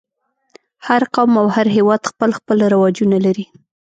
هر قوم او هر هېواد خپل خپل رواجونه لري.